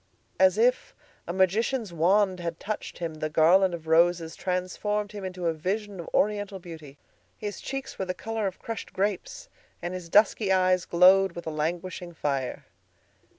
As if a magician's wand had touched him, the garland of roses transformed him into a vision of Oriental beauty. His cheeks were the color of crushed grapes, and his dusky eyes glowed with a languishing fire.